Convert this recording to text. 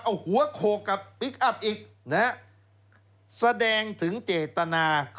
เอาหัวโขกกับพลิกอัพอีกนะฮะแสดงถึงเจตนา